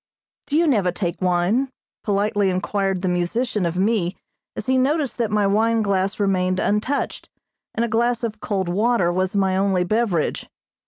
"Do you never take wine?" politely inquired the musician of me, as he noticed that my wine glass remained untouched, and a glass of cold water was my only beverage.